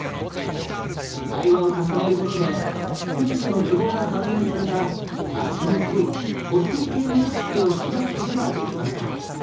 対話を重ねることで出演者の希望が反映された味の濃いこってり系のレシピを引き出すことができました。